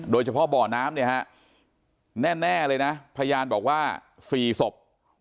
โดยเฉพาะบ่อน้ำเนี่ยฮะแน่เลยนะพยานบอกว่า๔ศพ